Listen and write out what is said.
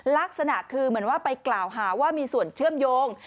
ลักษณะคือเหมือนว่าไปกล่าวหาว่ามีส่วนเชื่อมโยง